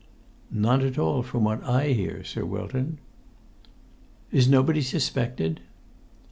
"None at all from what I hear, Sir Wilton." "Is nobody suspected?"